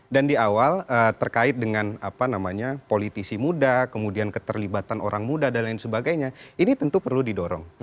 dan di awal terkait dengan apa namanya politisi muda kemudian keterlibatan orang muda dan lain sebagainya ini tentu perlu didorong